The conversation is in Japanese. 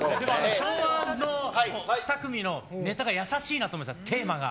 昭和の２組のネタが優しいなと思いました、テーマが。